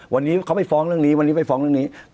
วันนี้เขาไปฟ้องเรื่องนี้วันนี้ไปฟ้องเรื่องนี้